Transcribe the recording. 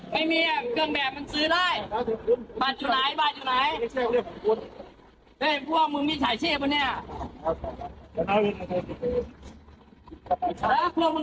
แล้วพวกมันมีฉายชีพหรอเนี่ย